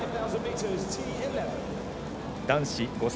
男子５０００